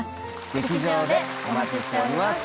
劇場でお待ちしております。